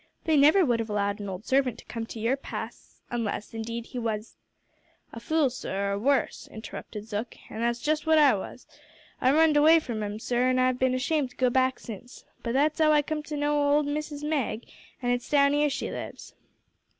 They never would have allowed an old servant to come to your pass unless, indeed, he was " "A fool, sir, or wuss," interrupted Zook; "an' that's just what I was. I runned away from 'em, sir, an' I've been ashamed to go back since. But that's 'ow I come to know old Missis Mag, an' it's down 'ere she lives."